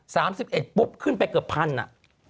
สามสิบเอ็ดปุ๊บขึ้นไปเกือบพันอ่ะ